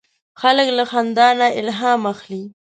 هلک له خندا نه الهام اخلي.